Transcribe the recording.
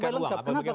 yang memberikan uang